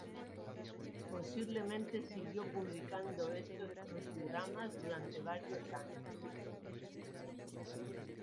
Posiblemente siguió publicando estos crucigramas durante varios años.